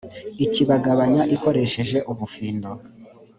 ikibagabanya ikoresheje ubufindo